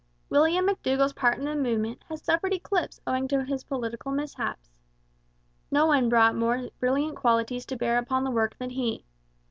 William McDougall's part in the movement has suffered eclipse owing to his political mishaps. No one brought more brilliant qualities to bear upon the work than he.